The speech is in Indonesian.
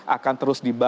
akan terus diberikan